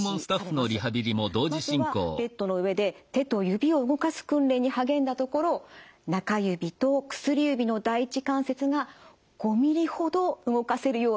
まずはベッドの上で手と指を動かす訓練に励んだところ中指と薬指の第一関節が５ミリほど動かせるようになったそうです。